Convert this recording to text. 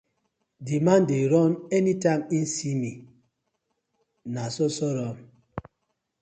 Di man dey run anytime im see mi no so so run.